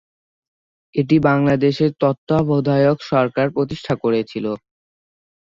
এটি বাংলাদেশের তত্ত্বাবধায়ক সরকার প্রতিষ্ঠা করেছিল।